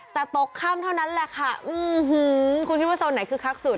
แต่ตกค่ำเท่านั้นแหละค่ะคุณคิดว่าโซนไหนคึกคักสุด